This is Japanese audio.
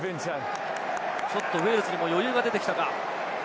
ちょっとウェールズにも余裕が出てきたか？